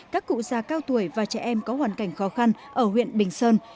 các cụ già cao tuổi và trẻ em có hoàn cảnh khó khăn ở huyện bình sơn